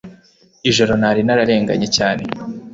Ijoro nari nararenganye cyane